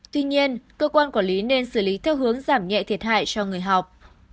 tuy nhiên cơ quan quản lý nên xử lý theo hướng giảm nhẹ thiệt hại cho người học